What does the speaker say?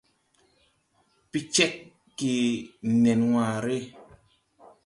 Pecèg gè nen waare.